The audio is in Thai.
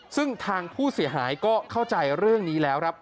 ซึ่งทางผู้เสียหายก็เข้าใจเรื่องนี้แล้วครับ